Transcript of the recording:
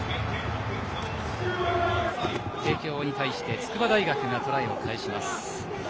帝京に対して筑波大学がトライを返します。